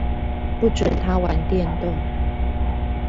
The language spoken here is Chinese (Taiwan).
不准他玩電動